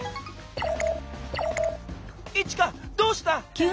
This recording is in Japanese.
イチカどうした？